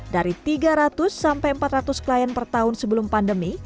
dari tiga ratus sampai empat ratus klien per tahun sebelum pandemi